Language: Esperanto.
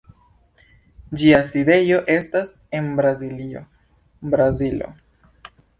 Ĝia sidejo estas en Braziljo, Brazilo.